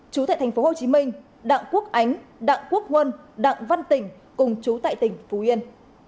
chú tại tp hcm đặng quốc ánh đặng quốc huân đặng văn tỉnh cùng chú tại tỉnh phú yên